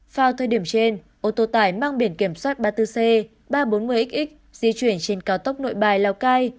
vào thời điểm trên ô tô tải mang biển kiểm soát ba mươi bốn c ba trăm bốn mươi x di chuyển trên cao tốc nội bài lào cai